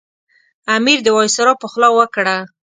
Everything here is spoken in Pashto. امیر د وایسرا په خوله وکړه.